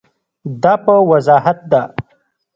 دا په وضاحت ده.